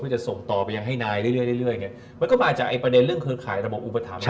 เพื่อจะส่งต่อไปให้นายเรื่อยมันก็มาจากประเด็นเรื่องเครือข่ายระบบอุปถัง